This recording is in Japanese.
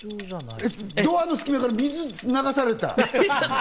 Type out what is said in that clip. ドアの隙間から水、流された。